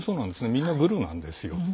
みんなグルなんですよ。